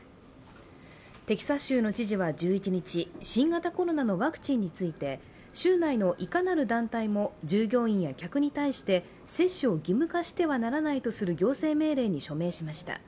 テキサス州の知事は１１日、新型コロナのワクチンについて州内のいかなる団体も従業員や客に対して接種を義務化してはならないという行政命令に署名しました。